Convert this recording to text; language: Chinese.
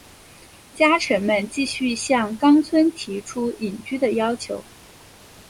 家臣们继续向纲村提出隐居的要求。